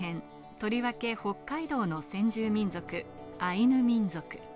とりわけ北海道の先住民族、アイヌ民族。